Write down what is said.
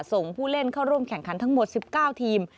ส่งผู้เล่นเข้าร่วมแข่งขันทั้งหมด๑๙ทีม